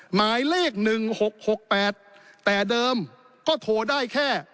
หมายเลขหนึ่งหกหกแปดแต่เดิมก็โทรได้แค่